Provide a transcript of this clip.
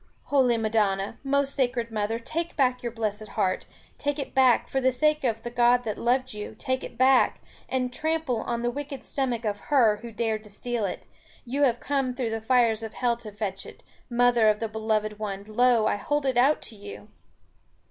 "Holy Madonna, most sacred mother, take back your blessed heart. Take it back, for the sake of the God that loved you, take it back, and trample on the wicked stomach of her who dared to steal it. You have come through the fires of hell to fetch it, mother of the beloved one, lo I hold it out to you."